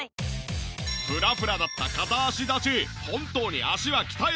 フラフラだった片足立ち